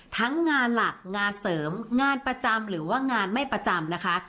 ทั้งงานหลักงานเสริมงานประจำหรือว่างานไม่ประจำนะคะ